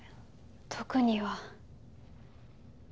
特には。